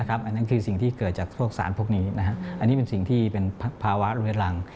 อันนี้เป็นสิ่งที่เป็นภาวะเรื้อรัง